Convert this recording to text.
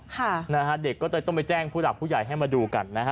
ค่ะนะฮะเด็กก็เลยต้องไปแจ้งผู้หลักผู้ใหญ่ให้มาดูกันนะฮะ